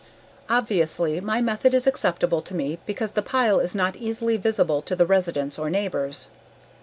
Obviously my method is acceptable to me because the pile is not easily visible to the residents or neighbors.